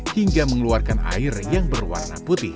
hingga mengeluarkan air yang berwarna putih